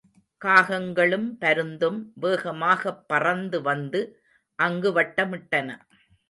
காகங்களும் பருந்தும் வேகமாகப் பறந்து வந்து அங்கு வட்டமிட்டன.